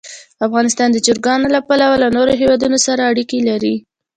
افغانستان د چرګان له پلوه له نورو هېوادونو سره اړیکې لري.